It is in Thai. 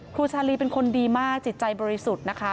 ครูชาลีเป็นคนดีมากจิตใจบริสุทธิ์นะคะ